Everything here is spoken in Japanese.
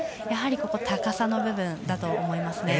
やはり高さの部分だと思います。